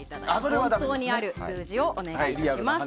本当にある数字をお願いします。